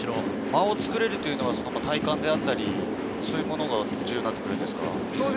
間をつくれるというのは体幹であったり、そういうものが重要になってくるんですか？